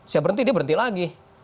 saya berhenti dia berhenti lagi